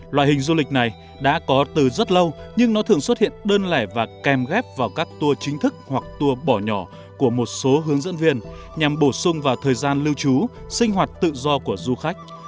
loại hình du lịch này đã có từ rất lâu nhưng nó thường xuất hiện đơn lẻ và kèm ghép vào các tour chính thức hoặc tour bỏ nhỏ của một số hướng dẫn viên nhằm bổ sung vào thời gian lưu trú sinh hoạt tự do của du khách